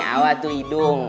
awah tuh hidung